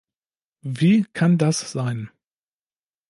Wie kann das sein?